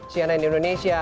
sianai di indonesia